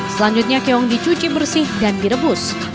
selanjutnya keong dicuci bersih dan direbus